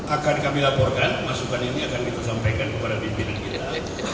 akan kami laporkan masukan ini akan kita sampaikan kepada pimpinan kita